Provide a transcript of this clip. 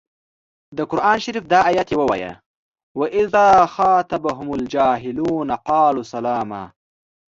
د قران شریف دا ایت یې ووايه و اذا خاطبهم الجاهلون قالو سلاما.